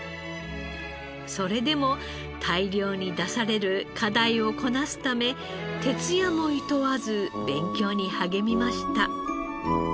それでも大量に出される課題をこなすため徹夜もいとわず勉強に励みました。